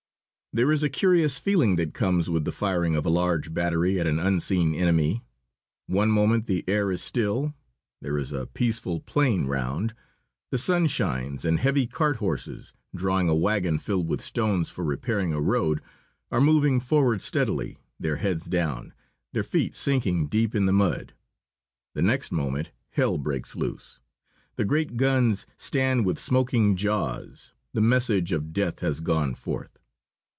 There is a curious feeling that comes with the firing of a large battery at an unseen enemy. One moment the air is still; there is a peaceful plain round. The sun shines, and heavy cart horses, drawing a wagon filled with stones for repairing a road, are moving forward steadily, their heads down, their feet sinking deep in the mud. The next moment hell breaks loose. The great guns stand with smoking jaws. The message of death has gone forth.